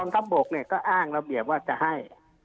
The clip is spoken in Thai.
ตอนทำบกเนี่ยก็อ้างระเบียบว่าจะให้